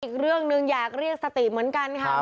อีกเรื่องหนึ่งอยากเรียกสติเหมือนกันค่ะ